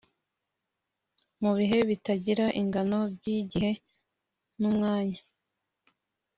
Mubihe bitagira ingano byigihe numwanya